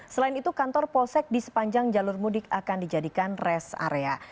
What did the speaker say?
selain itu kantor polsek di sepanjang jalur mudik akan dijadikan res area